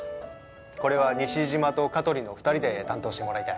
これは西島と香取の２人で担当してもらいたい。